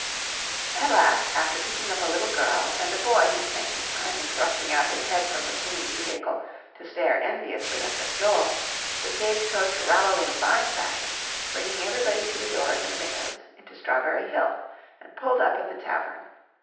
At last, after picking up a little girl, and a boy who spent his time in thrusting out his head from the swinging vehicle to stare enviously up at Joel, the stage coach rattled in fine fashion, bringing everybody to the doors and windows, into Strawberry Hill, and pulled up at the tavern.